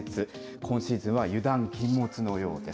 今シーズンは油断禁物のようです。